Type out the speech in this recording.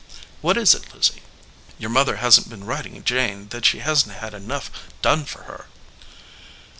"What is it, Lizzie?" "Your mother hasn t been writing Jane that she hasn t had enough done for her